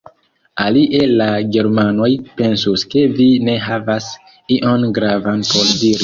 Alie la germanoj pensus ke vi ne havas ion gravan por diri!